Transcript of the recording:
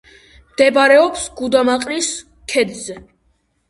მდებარეობს გუდამაყრის ქედზე.